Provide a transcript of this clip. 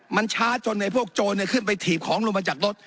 มันช้าจนไอ้พวกโจรขึ้นไปถีบของลงมาจากรถ